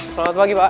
selamat pagi pak